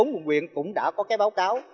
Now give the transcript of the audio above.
hai mươi bốn quận huyện cũng đã có báo cáo